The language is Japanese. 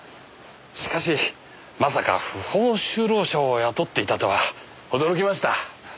しかしまさか不法就労者を雇っていたとは驚きました。